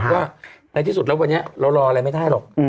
ว่าในที่สุดแล้ววันนี้เรารออะไรไม่ได้หรอก